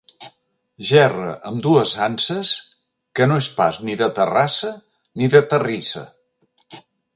Gerra amb dues anses que no és pas ni de Terrassa ni de terrissa.